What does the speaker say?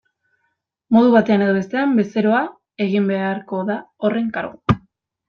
Modu batean edo bestean, bezeroa egin beharko da horren kargu.